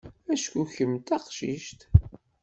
Acku kemm d taqcict.